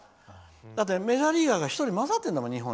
だってメジャーリーガーが１人日本に交ざってるんだもん。